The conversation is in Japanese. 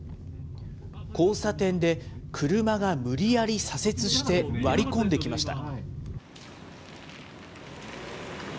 交差点で車が無理やり左折して割り込んできました。